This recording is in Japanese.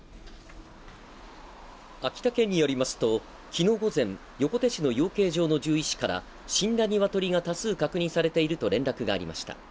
秋田県によりますと、昨日午前横手市の養鶏場の獣医師から死んだ鶏が多数確認されていると連絡がありました。